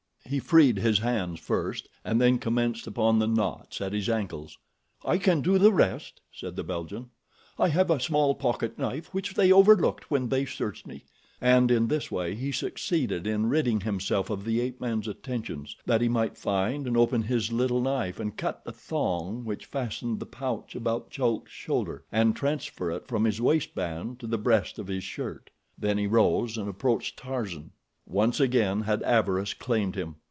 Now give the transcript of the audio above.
He freed his hands first, and then commenced upon the knots at his ankles. "I can do the rest," said the Belgian. "I have a small pocketknife which they overlooked when they searched me," and in this way he succeeded in ridding himself of the ape man's attentions that he might find and open his little knife and cut the thong which fastened the pouch about Chulk's shoulder, and transfer it from his waist band to the breast of his shirt. Then he rose and approached Tarzan. Once again had avarice claimed him.